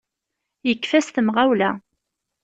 Yekfa s temɣawla.